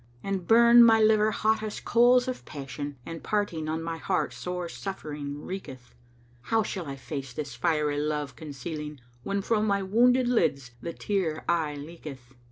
And burn my liver hottest coals of passion * And parting on my heart sore suffering wreaketh. How shall I face this fiery love concealing * When fro' my wounded lids the tear aye leaketh?